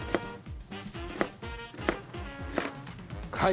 はい。